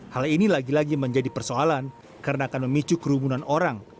hal ini lagi lagi menjadi persoalan karena akan memicu kerumunan orang